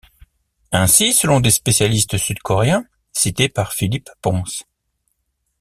Ainsi, selon des spécialistes sud-coréens cités par Philippe Pons.